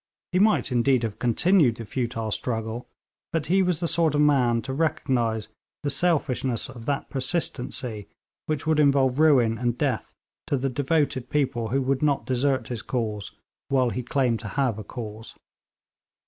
He might, indeed, have continued the futile struggle, but he was the sort of man to recognise the selfishness of that persistency which would involve ruin and death to the devoted people who would not desert his cause while he claimed to have a cause.